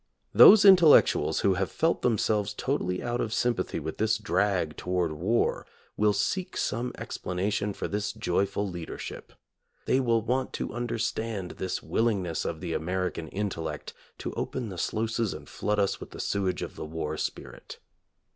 Those intellectuals who have felt themselves totally out of sympathy with this drag toward war will seek some explanation for this joyful leadership. They will want to understand this willingness of the American intellect to open the sluices and flood us with the sewage of the war spirit.